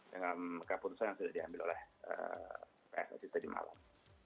dengan keputusan yang sudah diambil oleh pssi tadi malam